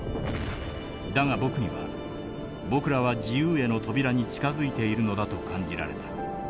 だが僕には僕らは自由への扉に近づいているのだと感じられた。